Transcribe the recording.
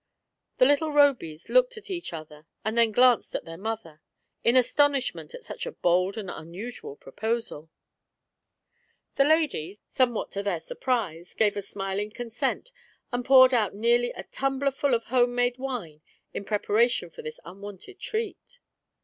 The little Robys looked at each other, and then glanced at their mother, in astonishment at such a bold and unusual proposal. The lady, somewhat to their 16 THE ARRrV\\L. surprise, gave a smiling consent, and poured out nearly a tumbler full of home made wine in preparation for this unwonted treat.